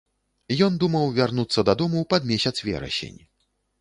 Ён думаў вярнуцца дадому пад месяц верасень.